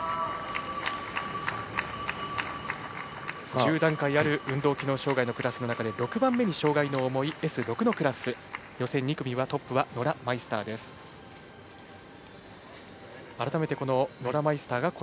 １０段階ある運動機能障がいのクラスの中で６番目に障がいの重いＳ６のクラス予選２組、トップはノラ・マイスターです。